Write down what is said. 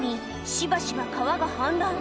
しばしば川が氾濫